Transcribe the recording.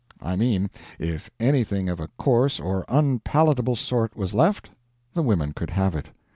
I mean, if anything of a coarse or unpalatable sort was left, the women could have it.